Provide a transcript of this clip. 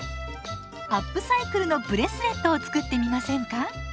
アップサイクルのブレスレットを作ってみませんか？